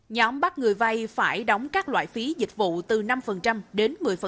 nhóm bắt người vay phải đóng các loại phí dịch vụ từ năm đến một mươi